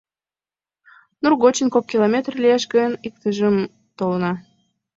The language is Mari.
Нур гочын кок километр лиеш гын, иктыжым толынна.